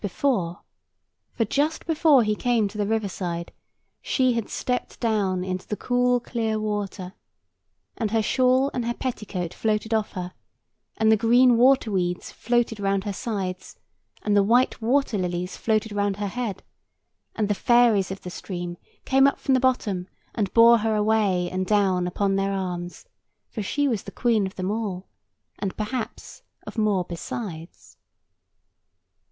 [Picture: The Queen of them all] For just before he came to the river side, she had stept down into the cool clear water; and her shawl and her petticoat floated off her, and the green water weeds floated round her sides, and the white water lilies floated round her head, and the fairies of the stream came up from the bottom and bore her away and down upon their arms; for she was the Queen of them all; and perhaps of more besides.